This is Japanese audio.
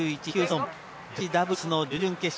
女子ダブルスの準々決勝。